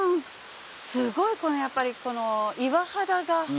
すごいやっぱりこの岩肌が。